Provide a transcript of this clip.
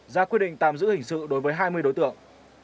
ra quyết định tạm giữ hình sự đối với hai mươi đối tượng